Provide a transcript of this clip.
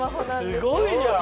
すごいじゃん！